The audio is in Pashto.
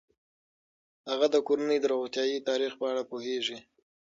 هغه د کورنۍ د روغتیايي تاریخ په اړه پوهیږي.